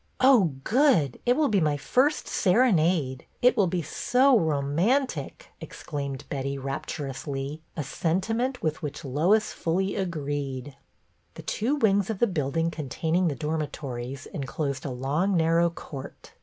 " Oh, good. It will be my very first ser enade. It will be so romantic," exclaimed Betty, rapturously, a sentiment with which Lois fully agreed. The two wings of the building containing the dormitories enclosed a long narrow court.